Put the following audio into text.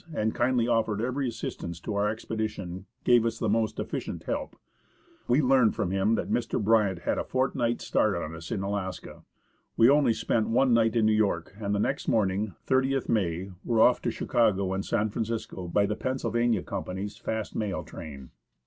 and kindly offered every assistance to our expedi tion, gave us the most efficient help. We learnt from him that Mr. Bryant had a fortnight's start of us in Alaska. We only spent one night in New York, and the next morning (30th May) were off to Chicago and San Francisco by the Pennsylvania Company's fast mail train.